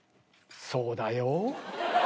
そうだよ？